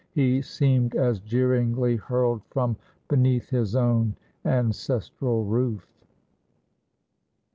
He seemed as jeeringly hurled from beneath his own ancestral roof.